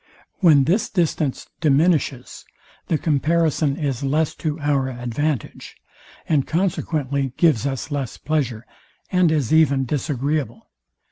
When this distance diminishes, the comparison is less to our advantage; and consequently gives us less pleasure, and is even disagreeable.